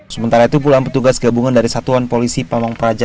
sementara itu puluhan petugas gabungan dari satuan polisi pamung praja